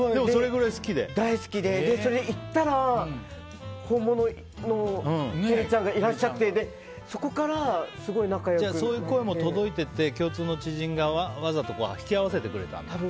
大好きで、行ったら本物のきゃりーちゃんがいらっしゃってそういう声も届いてて共通の知人がわざと引き合わせてくれたんだ。